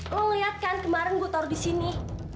lo lihat kan kemarin gue taruh di sini